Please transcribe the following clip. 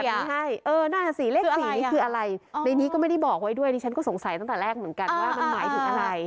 ใช่เออนั่นน่ะสิเลข๔นี่คืออะไรในนี้ก็ไม่ได้บอกไว้ด้วยดิฉันก็สงสัยตั้งแต่แรกเหมือนกันว่ามันหมายถึงอะไร